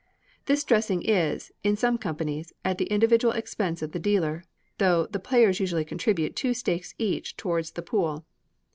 This dressing is, in some companies, at the individual expense of the dealer, though, the players usually contribute two stakes each towards the pool.